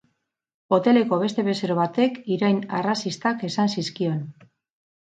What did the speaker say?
Hoteleko beste bezero batek irain arrazistak esan zizkion.